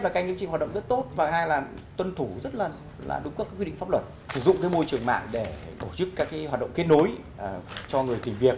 tuân thủ rất là đúng các quy định pháp luật sử dụng môi trường mạng để tổ chức các hoạt động kết nối cho người tìm việc